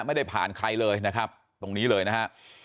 ไม่ได้ผ่านใครเลยนะครับตรงนี้เลยนะฮะ